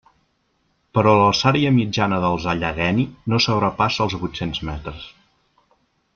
Però l'alçària mitjana dels Allegheny no sobrepassa els vuit-cents metres.